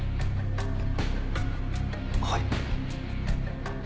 はい。